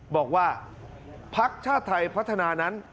บอกว่าพักชาติไทยพัฒนานั้น